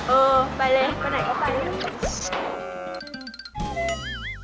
เออไปเลยไปไหนก็ไปเลย